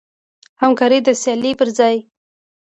همکاري د سیالۍ پر ځای.